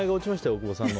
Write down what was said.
大久保さんの。